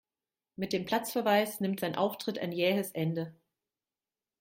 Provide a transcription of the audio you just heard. Mit dem Platzverweis nimmt sein Auftritt ein jähes Ende.